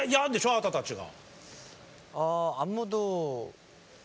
あなたたちが。